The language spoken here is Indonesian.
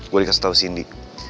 gue dikasih tau cindy